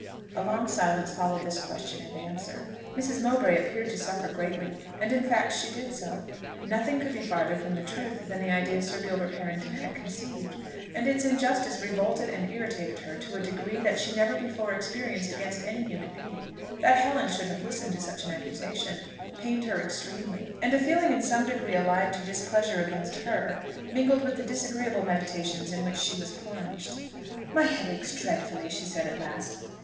A long silence followed this question and answer. Mrs. Mowbray appeared to suffer greatly, and in fact she did so. Nothing could be farther from the truth than the idea Sir Gilbert Harrington had conceived, and its injustice revolted and irritated her to a degree that she never before experienced against any human being. That Helen should have listened to such an accusation, pained her extremely; and a feeling in some degree allied to displeasure against her mingled with the disagreeable meditations in which she was plunged. "My head aches dreadfully!" she said at last.